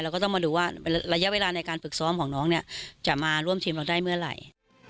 ก็ต้องมาดูว่าระยะเวลาในการฝึกซ้อมของน้องเนี่ยจะมาร่วมทีมเราได้เมื่อไหร่